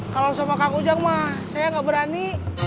kalau sama kang ujang saya nggak berani